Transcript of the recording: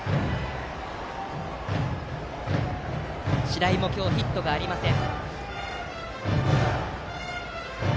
白井も今日はヒットがありません。